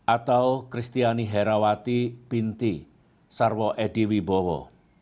atau kristiani herawati binti sarwo ediwi bowo